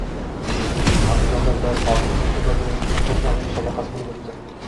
Andijonda viloyati hokimi kubogi uchun qo‘l jangi musobaqasi bo‘lib o‘tdi